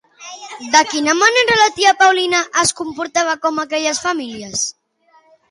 De quina manera la tia Paulina es comportava com aquelles famílies?